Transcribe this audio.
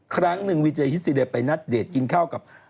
ครั้งหนึ่งวีเจฮิสซีเรียไปนัดเดทกินข้าวกับ